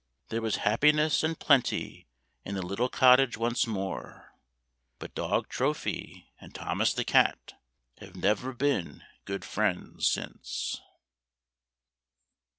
There was happiness and plenty in the little cottage once more — but dog Trophy, and Thomas the cat, have never been good friends since.